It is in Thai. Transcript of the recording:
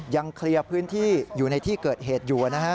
ยังเคลียร์พื้นที่อยู่ในที่เกิดเหตุอยู่นะฮะ